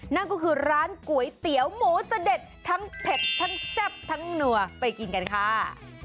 นั่นก็คือร้านก๋วยเตี๋ยวหมูเสด็จทั้งเผ็ดทั้งแซ่บทั้งนัวไปกินกันค่ะ